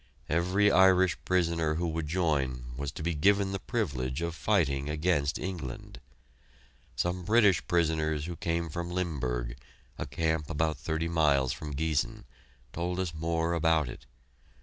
Every Irish prisoner who would join was to be given the privilege of fighting against England. Some British prisoners who came from Limburg, a camp about thirty miles from Giessen, told us more about it.